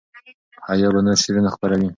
حیا به نور شعرونه خپروي.